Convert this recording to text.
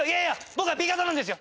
僕はＢ型なんですよ